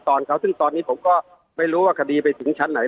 แต่ตอนนี้ผมไม่รู้ว่าคดีไปถึงชั้นนาย